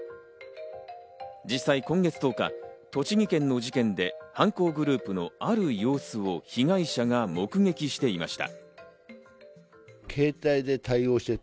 実際今月１０日、栃木県の事件で、犯行グループのある様子を被害者が目撃していました。